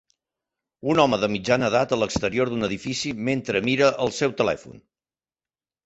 Un home de mitjana edat a l'exterior d'un edifici mentre mira el seu telèfon.